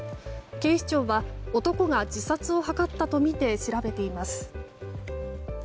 警視庁は男が自殺を図ったとみて調べています。